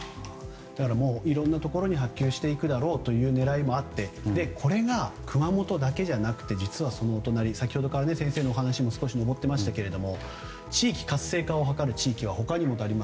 いろんなところに波及していくという狙いもあってこれが熊本だけじゃなくて実はそのお隣先ほどから先生のお話にも上っていましたが地域活性化を図る地域は他にも。